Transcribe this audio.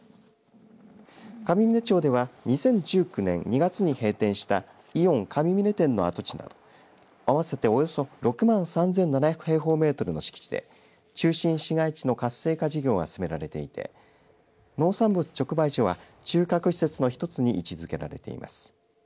上峰町では２０１９年２月に閉店したイオン上峰店の跡地など合わせておよそ６万３７００平方メートルの敷地で中心市街地の活性化事業が進められていて農産物直売所は中核施設の一つに位置づけられています。